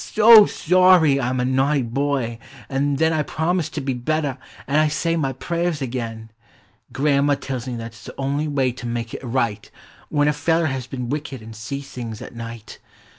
.so sorry I 'm a naughty boy, an' then I promise to be better an' I say my prayers again ! (irau'ma tells me that 's the only way to make it right When a feller has been wicked an' sees things at night!